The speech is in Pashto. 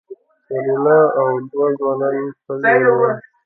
سېرېنا او دوو ځوانانو پزې ونيولې.